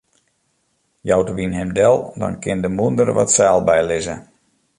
Jout de wyn him del, dan kin de mûnder wat seil bylizze.